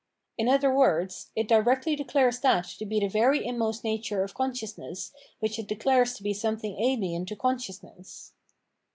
In other words, it directly de clares that to be the very inmost nature of conscious ness which it declares to be something ahen to con sciousness.